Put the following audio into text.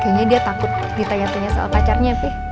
kayanya dia takut ditanyain soal pacarnya pi